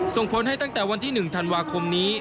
ส่งผลให้ตั้งแต่วันที่๑ธันวาคมนี้